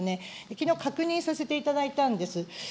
きのう、確認させていただいたんです。